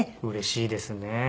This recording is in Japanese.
うれしいですね。